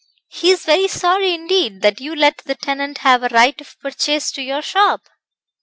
"He is very sorry indeed, that you let the tenant have a right of purchase to your shop."